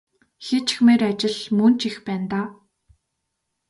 Хийчихмээр ажил мөн ч их байна даа.